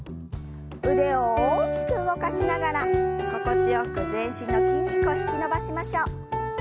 腕を大きく動かしながら心地よく全身の筋肉を引き伸ばしましょう。